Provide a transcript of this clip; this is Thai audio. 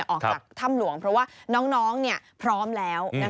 ออกจากถ้ำหลวงเพราะว่าน้องพร้อมแล้ว